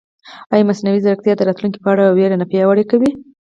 ایا مصنوعي ځیرکتیا د راتلونکي په اړه وېره نه پیاوړې کوي؟